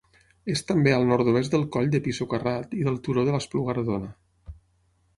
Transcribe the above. És també al nord-oest del Coll de Pi Socarrat i del Turó de l'Espluga Redona.